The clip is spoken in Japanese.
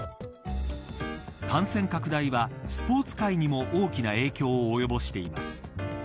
感染拡大は、スポーツ界にも大きな影響を及ぼしています。